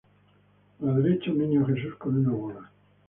A la derecha un Niño Jesús con una bola.